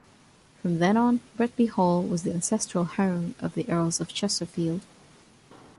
From then on, Bretby Hall was the ancestral home of the Earls of Chesterfield.